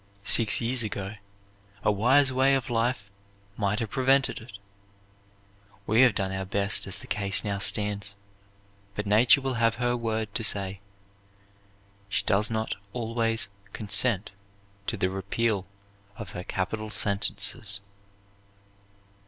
Six years ago a wise way of life might have prevented it. We have done our best as the case now stands, but Nature will have her word to say. She does not always consent to the repeal of her capital sentences."